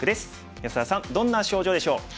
安田さんどんな症状でしょう？